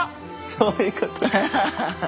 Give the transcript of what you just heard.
そういうことか。